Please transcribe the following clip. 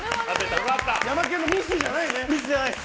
ヤマケンのミスじゃないです。